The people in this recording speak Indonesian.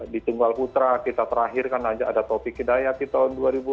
di tunggal putra kita terakhir karena ada topik kedayat di tahun dua ribu lima